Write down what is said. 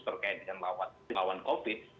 terkait dengan lawan covid